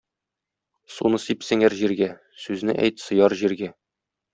Суны сип сеңәр җиргә, сүзне әйт сыяр җиргә.